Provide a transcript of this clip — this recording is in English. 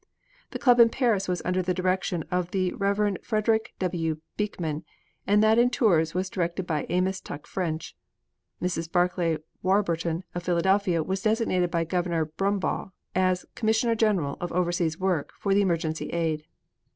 The club in Paris was under the direction of the Rev. Frederick W. Beekman, and that at Tours was directed by Amos Tuck French. Mrs. Barclay Warburton of Philadelphia was designated by Governor Brumbaugh as Commissioner General of Overseas Work for the Emergency Aid.